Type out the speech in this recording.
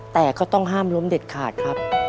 แต่ก็ต้องห้ามล้มเด็ดขาดครับ